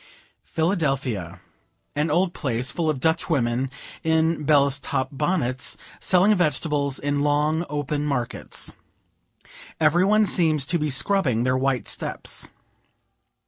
Philadelphia. An old place, full of Dutch women, in "bellus top" bonnets, selling vegetables, in long, open markets. Every one seems to be scrubbing their white steps.